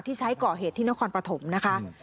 ที่ใช้เกาะเหตุที่นครปฐมนะคะ